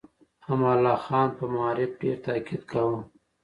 امان الله خان په معارف ډېر تاکيد کاوه.